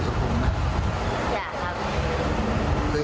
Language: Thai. ชอบไหมครับชีวิต